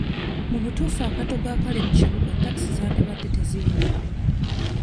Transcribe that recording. Mu butuufu akatogo akali mu kibuga takisi zandibadde teziyingira.